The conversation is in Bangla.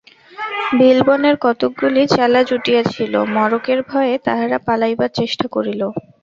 বিলবনের কতকগুলি চেলা জুটিয়াছিল, মড়কের ভয়ে তাহারা পালাইবার চেষ্টা করিল।